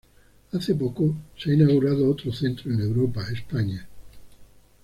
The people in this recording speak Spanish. Hace poco se ha inauguró otro centro en Europa España.